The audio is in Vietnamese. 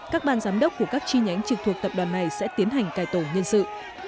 các ban giám đốc của các chi nhánh trực thuộc tập đoàn này sẽ tiến hành cải tổ nhân sự